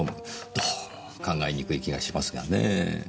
どうも考えにくい気がしますがねぇ。